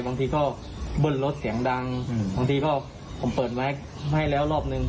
บางทีก็เบิ้ลรถเสียงดังบางทีก็ผมเปิดไว้ให้แล้วรอบนึง